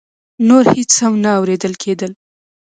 نور هېڅ هم نه اورېدل کېدل.